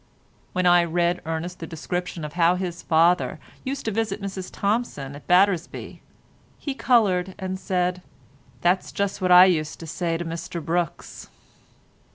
When I read Ernest the description of how his father used to visit Mrs Thompson at Battersby, he coloured and said—"that's just what I used to say to Mr Brookes."